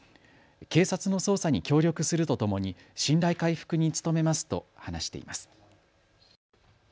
警察の捜査に協力するとともに信頼回復に努めますと話しています。